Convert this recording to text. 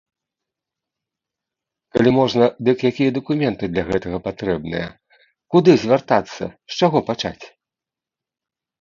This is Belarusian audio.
Калі можна, дык якія дакументы для гэтага патрэбныя, куды звяртацца, з чаго пачаць?